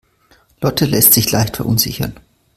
Lotte lässt sich leicht verunsichern.